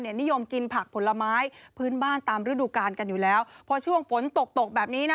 นิยมกินผักผลไม้พื้นบ้านตามฤดูกาลกันอยู่แล้วพอช่วงฝนตกตกแบบนี้นะ